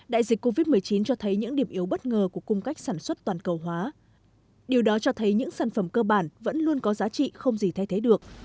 đại dịch covid một mươi chín cho thấy những điểm yếu bất ngờ của cung cách sản xuất toàn cầu hóa điều đó cho thấy những sản phẩm cơ bản vẫn luôn có giá trị không gì thay thế được